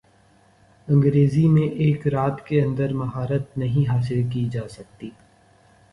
انگریزی میں ایک رات کے اندر مہارت نہیں حاصل کی جا سکتی